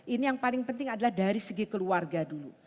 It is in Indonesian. ini yang paling penting adalah dari segi keluarga dulu